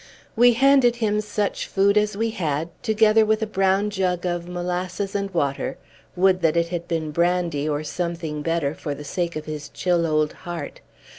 We handed him such food as we had, together with a brown jug of molasses and water (would that it had been brandy, or some thing better, for the sake of his chill old heart!)